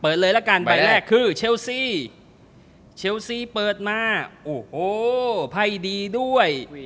เลยละกันใบแรกคือเชลซีเชลซีเปิดมาโอ้โหไพ่ดีด้วย